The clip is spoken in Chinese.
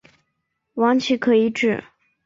王祺可以指